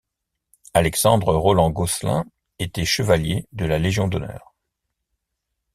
Alexandre Roland-Gosselin était chevalier de la légion d'honneur.